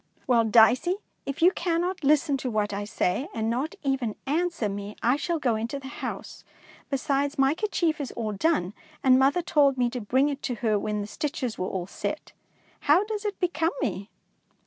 ''Well, Dicey, if you cannot listen to what I say, and not even answer me, I shall go into the house. Besides, my kerchief is all done, and mother 238 DICEY LANGSTON told me to bring it to her when the stitches were all set. How does it become me